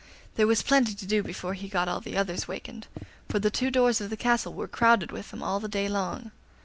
There was plenty to do before he got all the others wakened, for the two doors of the castle were crowded with them all the day long.